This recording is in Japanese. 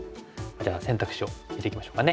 じゃあ選択肢を見ていきましょうかね。